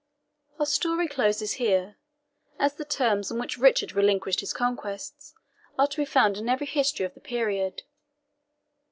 Our Story closes here, as the terms on which Richard relinquished his conquests are to be found in every history of the period.